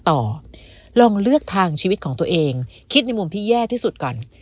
ลองเลือกทางชีวิตของตัวเองคิดในมุมที่แย่ที่สุดก่อน